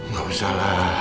gak usah lah